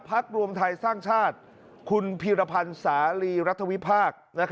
รวมไทยสร้างชาติคุณพีรพันธ์สาลีรัฐวิพากษ์